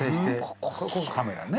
ここカメラね。